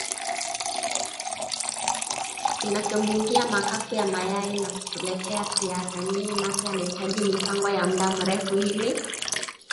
zinavyobugia makapu ya mayai na kutuletea tuyaatamie Nape anahitaji mipango ya muda mrefu ili